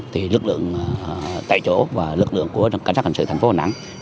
thì lực lượng tại chỗ và lực lượng của cảnh sát hành sự thành phố văn thét